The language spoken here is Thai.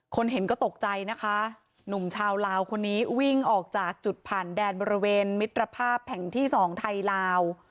เห็นก็ตกใจนะคะหนุ่มชาวลาวคนนี้วิ่งออกจากจุดผ่านแดนบริเวณมิตรภาพแห่งที่สองไทยลาว